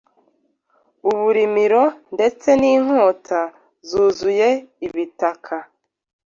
uburimiro ndetse n’intoki zuzuye ibitaka